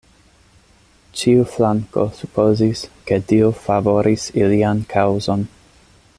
Ĉiu flanko supozis, ke Dio favoris ilian kaŭzon.